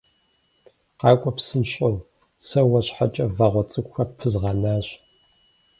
Къакӏуэ псынщӏэу, сэ уэр щхьэкӏэ вагъуэ цӏыкӏухэр пызгъэнащ.